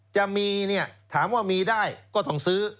จะมีเนี่ยถามว่ามีได้ก็ต้องซื้อ